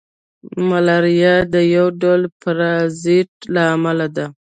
ملاریا د یو ډول پرازیت له امله ده